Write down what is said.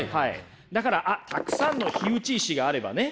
だからたくさんの火打ち石があればね